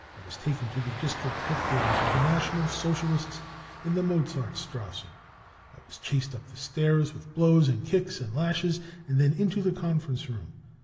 5 I was taken to the district head quarters of the National Socialists in the Mozartstrasse. I was chased up the stairs with blows and kicks and lashes, and then into the conference room.